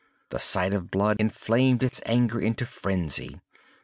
The sight of blood inflamed its anger into phrenzy.